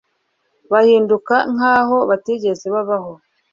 bahinduka nk'aho batigeze babaho